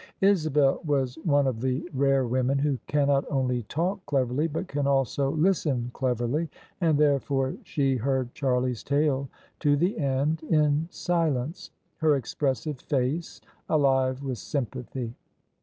Isabel was one of the rare women who cannot only talk cleverly, but can also listen cleverly; and therefore she heard Charlie's tale to the end in silence, her expressive face alive with sympathy.